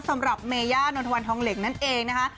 สำหรับเมย่านนทวันทองเหล็กนั่นเองนะคะ